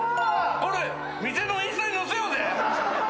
これ店のインスタに載せようぜ。